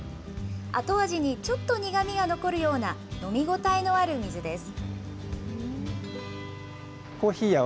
後味にちょっと苦みが残るような、飲み応えのある水です。